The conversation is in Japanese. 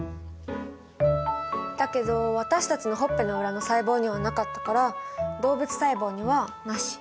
だけど私たちのほっぺの裏の細胞にはなかったから動物細胞にはなし。